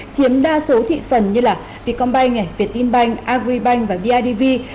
chiếm đa số thị phần như vietcombank vietinbank agribank và bidv